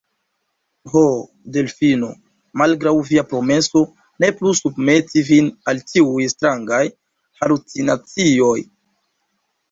Ho, Delfino, malgraŭ via promeso, ne plu submeti vin al tiuj strangaj halucinacioj?